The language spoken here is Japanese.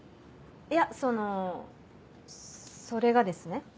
いやそのそれがですね